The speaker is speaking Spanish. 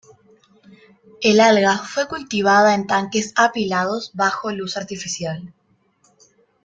El alga fue cultivada en tanques apilados bajo luz artificial.